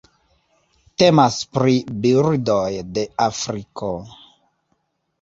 Temas pri birdoj de Afriko.